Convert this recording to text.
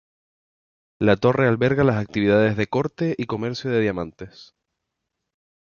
La torre alberga las actividades de corte y comercio de diamantes.